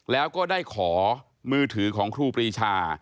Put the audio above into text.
แล้วก็ได้ขอมือถือของครูปรีชา